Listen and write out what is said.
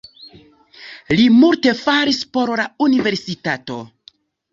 Li multe faris por la universitato.